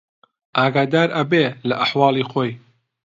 ئاگادار ئەبێ لە ئەحواڵی خۆی